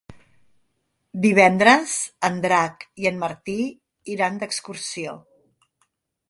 Divendres en Drac i en Martí iran d'excursió.